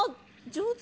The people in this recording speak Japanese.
上手！